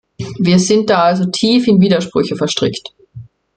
Wir sind da also tief in Widersprüche verstrickt.